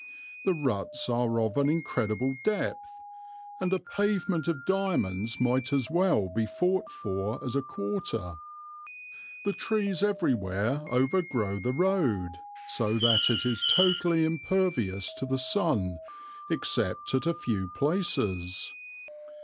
The ruts are of an incredible depth, and a pavement of diamonds might as well be fought for as a quarter" [sic, meaning?]. "The trees everywhere overgrow the road, so that it is totally impervious to the sun, except at a few places.